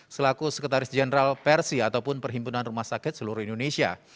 selaku sekretaris jenderal persi ataupun perhimpunan rumah sakit seluruh indonesia